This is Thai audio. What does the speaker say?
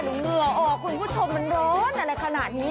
เหงื่อออกคุณผู้ชมมันร้อนอะไรขนาดนี้